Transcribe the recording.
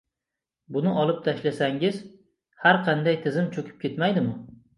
Buni olib tashlasangiz, har qanday tizim cho‘kib ketmaydimi?